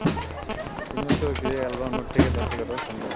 নিম্নোক্ত ব্যক্তিদের album note থেকে যাচাই করা সম্ভব